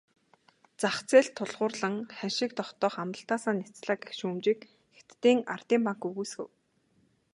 Зах зээлд тулгуурлан ханшийг тогтоох амлалтаасаа няцлаа гэх шүүмжийг Хятадын ардын банк үгүйсгэв.